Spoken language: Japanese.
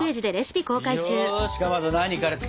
よしかまど何から作りますか？